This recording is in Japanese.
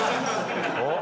おっ！